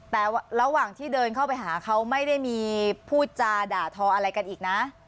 แต่ระหว่างที่เดินเข้าไปหาเขาไม่ได้มีพูดจาด่าทออะไรกันอีกนะ